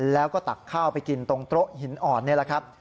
แล้วก็ตักข้าวไปกินตรงโต๊ะหินอ่อนนี่แหละครับ